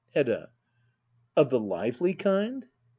Hedda. Of the lively kind